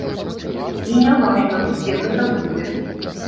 І не важна, дзе гэта будзе.